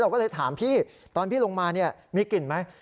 ก็เลยถามพี่ตอนพี่ลงมามีกลิ่นไหม